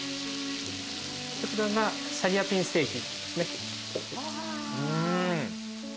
こちらがシャリアピンステーキ。